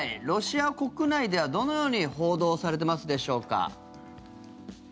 ロシア国内ではどのように報道されてますでしょうか。